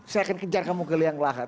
saya akan kejar kamu keliang lahat